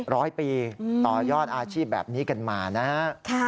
ร้อยปีต่อยอดอาชีพแบบนี้กันมานะฮะ